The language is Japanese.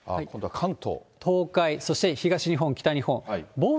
東海、そして東日本、北日本。